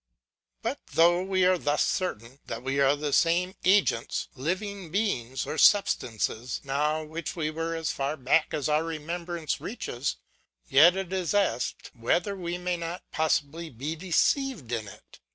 But though we are thus certain, that we are the same agents, living beings, or substances, now, which we were as far back as our remembrance reaches ; yet it is asked, whether we may not possibly be deceived in it?